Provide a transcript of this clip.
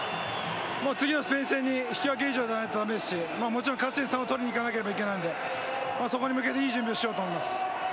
次のスペイン戦に引き分け以上じゃないと駄目ですしもちろん勝ち点３を取らないといけないのでそこに向けていい準備をしようと思います。